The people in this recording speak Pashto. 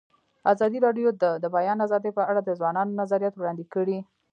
ازادي راډیو د د بیان آزادي په اړه د ځوانانو نظریات وړاندې کړي.